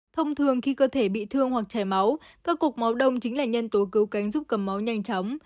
thông thường khi cơ thể bị thương hoặc chảy máu các cục máu đông chính là nhân tố cứu cánh giúp cầm máu nhanh chóng